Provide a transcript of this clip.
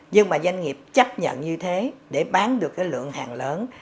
nhưng mà doanh nghiệp chấp nhận như thế để bán được lượng hàng lớn